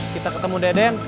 kita ketemu deden